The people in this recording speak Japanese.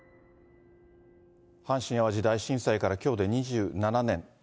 阪神・淡路大震災からきょうで２７年。